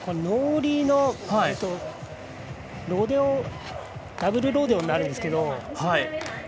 ノーリーのダブルロデオになるんですけど。